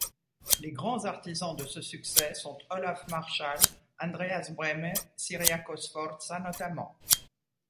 Les grands artisans de ce succès sont Olaf Marschall, Andreas Brehme, Ciriaco Sforza notamment.